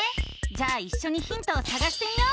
じゃあいっしょにヒントをさがしてみよう！